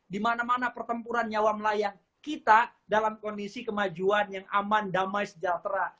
di mana mana pertempuran nyawa melayang kita dalam kondisi kemajuan yang aman damai sejahtera